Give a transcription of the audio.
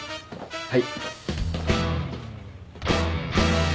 はい。